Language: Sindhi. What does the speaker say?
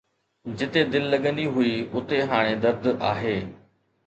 جتي دل لڳندي هئي، اتي هاڻي درد آهي